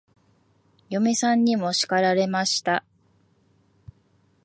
嫁さんにも叱られました。